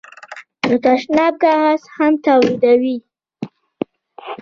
د تشناب کاغذ هم تولیدوي.